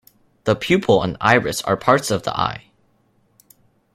The pupil and iris are parts of the eye.